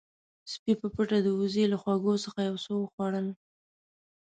سپی په پټه د وزې له خواږو څخه یو څه وخوړل.